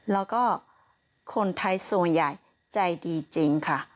แล้วก็คนไทยส่วนใหญ่ใจดีจริงค่ะ